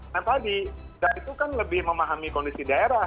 lain kali kita itu kan lebih memahami kondisi daerah